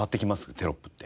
テロップって。